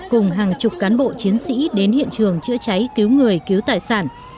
cùng hàng chục cán bộ chiến sĩ đến hiện trường chữa cháy cứu người cứu tài sản